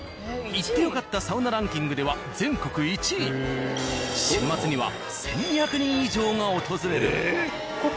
行ってよかったサウナランキングでは週末には１２００人以上が訪れる。